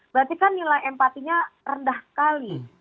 berarti kan nilai empatinya rendah sekali